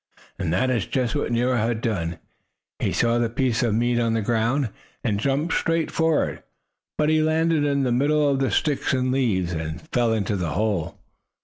And that is just what Nero had done. He saw the piece of meat on the ground, and jumped straight for it. But he landed in the middle of the sticks and leaves, and fell into the hole.